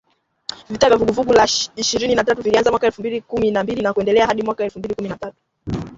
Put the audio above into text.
Vita vya Vuguvugu la Ishirini na tatu vilianza mwaka elfu mbili kumi na mbili na kuendelea hadi mwaka elfu mbili kumi na tatu